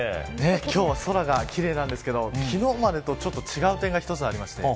今日は空が奇麗なんですけど昨日までとちょっと違う点が一つありまして